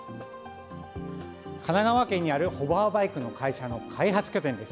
神奈川県にあるホバーバイクの会社の開発拠点です。